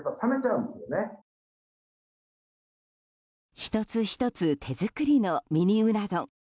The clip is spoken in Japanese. １つ１つ手作りのミニうな丼。